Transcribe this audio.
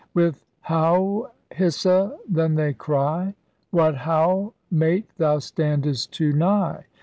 With Howe! Hissa! then they cry, *What ho we! mate thou standest too nigh.